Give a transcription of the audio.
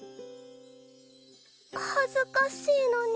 恥ずかしいのに